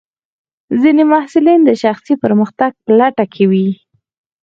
ځینې محصلین د شخصي پرمختګ په لټه کې وي.